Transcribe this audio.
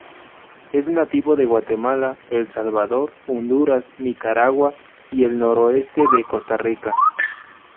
Es nativo de Guatemala, El Salvador, Honduras, Nicaragua y el noroeste de Costa Rica.